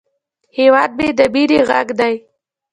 هیواد مې د مینې غږ دی